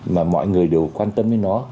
mà mọi người đều quan tâm với nó